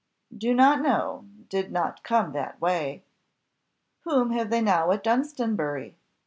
"Do not know; did not come that way." "Whom have they now at Dunstanbury?"